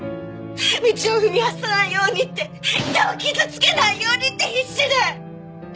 道を踏み外さないようにって人を傷つけないようにって必死で！